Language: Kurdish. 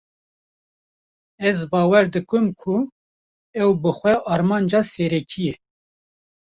Ez bawer dikim ku ev bi xwe armanca serekî ye